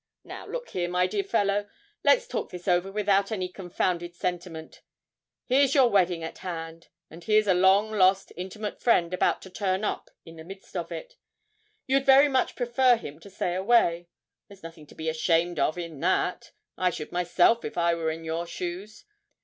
Now look here, my dear fellow, let's talk this over without any confounded sentiment. Here's your wedding at hand, and here's a long lost intimate friend about to turn up in the midst of it. You'd very much prefer him to stay away; there's nothing to be ashamed of in that. I should myself if I were in your shoes.